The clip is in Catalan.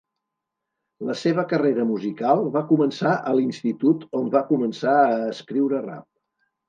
La seva carrera musical va començar a l'institut on va començar a escriure rap.